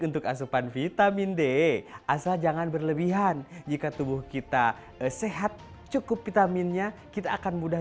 untuk asupan vitamin d asal jangan berlebihan jika tubuh kita sehat cukup vitaminnya kita akan mudah